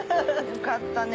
よかったね。